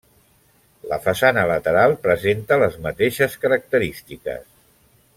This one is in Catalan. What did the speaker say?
La façana lateral presenta les mateixes característiques.